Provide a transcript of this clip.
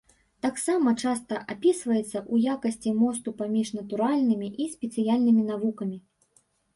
Таксама часта апісваецца ў якасці мосту паміж натуральнымі і сацыяльнымі навукамі.